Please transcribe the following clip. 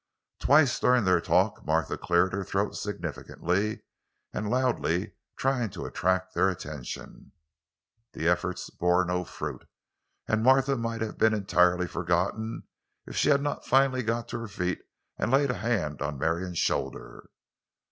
Twice during their talk Martha cleared her throat significantly and loudly, trying to attract their attention. The efforts bore no fruit, and Martha might have been entirely forgotten if she had not finally got to her feet and laid a hand on Marion's shoulder.